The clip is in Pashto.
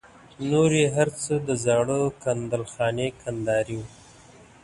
نور یې هر څه د زاړه کندل خاني کندهاري وو.